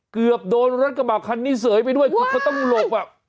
เกือบโดนรถกระบาดคันนี้เสยไปด้วยคือเขาต้องหลบอ่ะ